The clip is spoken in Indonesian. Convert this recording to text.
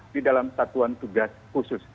di dalam satuan tugas khusus